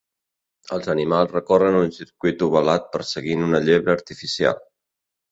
Els animals recorren un circuit ovalat perseguint una llebre artificial.